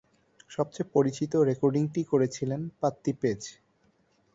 সবচেয়ে পরিচিত রেকর্ডিংটি করেছিলেন পাত্তি পেজ।